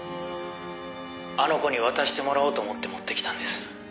「あの子に渡してもらおうと思って持ってきたんです」